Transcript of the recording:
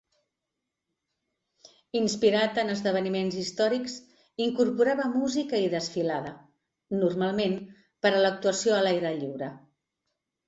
Inspirat en esdeveniments històrics, incorporava música i desfilada, normalment per a l'actuació a l'aire lliure.